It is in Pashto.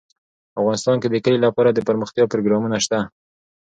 افغانستان کې د کلي لپاره دپرمختیا پروګرامونه شته.